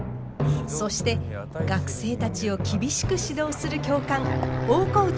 そして学生たちを厳しく指導する教官大河内